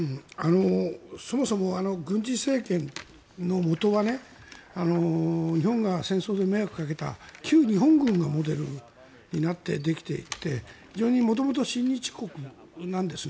そもそも軍事政権のもとは日本が戦争で迷惑かけた旧日本軍がモデルになってできていて非常に元々、親日国なんですね。